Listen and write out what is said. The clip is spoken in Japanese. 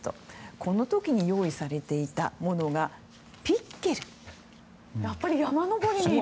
この時に用意されたのがピッケル。